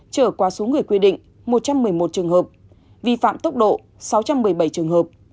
trở qua số người quy định một trăm một mươi một trường hợp vi phạm tốc độ sáu trăm một mươi bảy trường hợp